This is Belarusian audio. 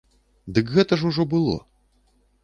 Дык гэта ж ужо было.